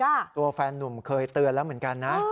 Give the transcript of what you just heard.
ตัวแฟนนุ่มเคยเตือนแล้วเหมือนกันนะ